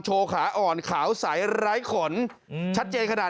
โฉขาอ่อนขาวใสร้ายขน